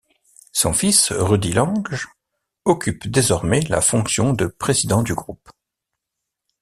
Son fils Rudy Lange occupe désormais la fonction de président du groupe.